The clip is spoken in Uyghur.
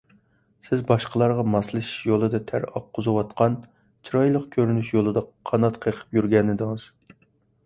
سىز باشقىلارغا ماسلىشىش يولىدا تەر ئاققۇزۇۋاتقان، چىرايلىق كۆرۈنۈش يولىدا قانات قېقىپ يۈرگەنىدىڭىز.